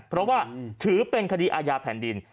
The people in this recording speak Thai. เพราะว่าถือเป็นคดีอาญาแผ่นดิน